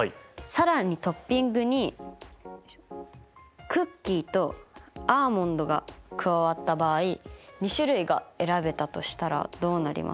更にトッピングにクッキーとアーモンドが加わった場合２種類が選べたとしたらどうなりますか？